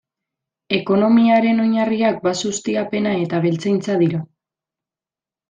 Ekonomiaren oinarriak baso ustiapena eta abeltzaintza dira.